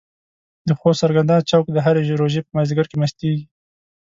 د خوست سرګردان چوک د هرې روژې په مازديګر کې مستيږي.